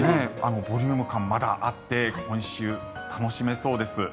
ボリューム感まだあって今週、楽しめそうです。